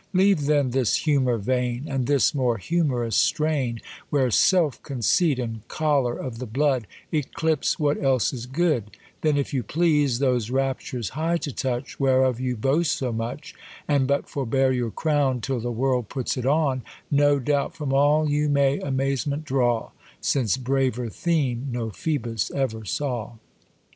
Leave then this humour vain, And this more humourous strain, Where self conceit, and choler of the blood, Eclipse what else is good: Then, if you please those raptures high to touch, Whereof you boast so much: And but forbear your crown Till the world puts it on: No doubt, from all you may amazement draw, Since braver theme no Phoebus ever saw.